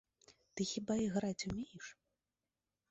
Ты хіба іграць умееш?